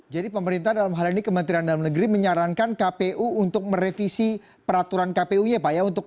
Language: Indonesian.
jadi pemerintah dalam hal ini kementerian dalam negeri menyarankan kpu untuk merevisi peraturan kpu ya pak